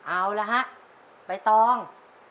เอาละฮะใบตอง